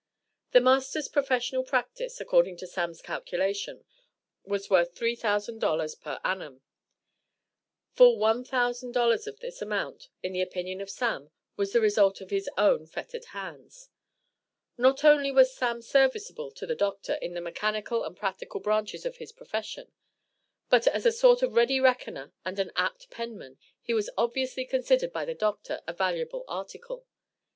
The master's professional practice, according to "Sam's" calculation, was worth $3,000 per annum. Full $1,000 of this amount in the opinion of "Sam" was the result of his own fettered hands. Not only was "Sam" serviceable to the doctor in the mechanical and practical branches of his profession, but as a sort of ready reckoner and an apt penman, he was obviously considered by the doctor, a valuable "article."